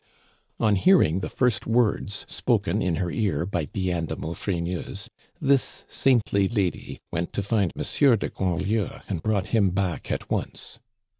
On hearing the first words spoken in her ear by Diane de Maufrigneuse, this saintly lady went to find Monsieur de Grandlieu, and brought him back at once.